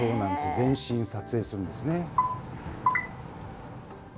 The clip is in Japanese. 全身撮影するんですね。